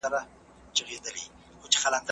ژوند د انسان بنیادي ضرورت دی.